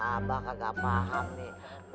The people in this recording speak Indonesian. abah kagak paham nih